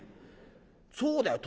そうだよ